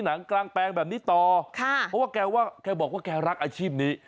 หนังกลางแปลงแบบนี้ต่อค่ะเพราะว่าแกว่าแกบอกว่าแกรักอาชีพนี้